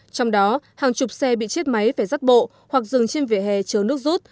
trong đó hàng chục xe bị chết máy phải rắt bộ hoặc dừng trên vỉa hè chờ nước rút